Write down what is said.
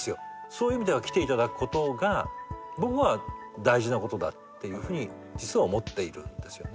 そういう意味では来ていただくことが僕は大事なことだっていうふうに実は思っているんですよね。